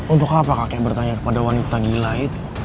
untuk apa kakek bertanya kepada wanita gila itu